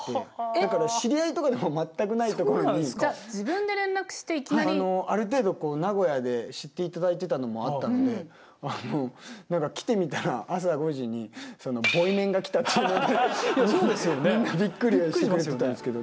だから知り合いとかでは全くないところに。じゃあ自分で連絡していきなり。ある程度こう名古屋で知っていただいてたのもあったので何か来てみたら朝５時にボイメンが来たっていうのでみんなびっくりしてくれたんですけど。